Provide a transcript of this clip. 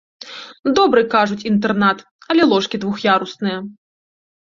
Добры, кажуць, інтэрнат, але ложкі двух'ярусныя.